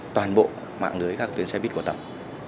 toàn bộ mạng lưới các tuyến xe buýt của tàu